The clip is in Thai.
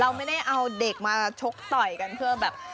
เราไม่ได้เอาเด็กมาชกต่อยกันเพื่อแบบ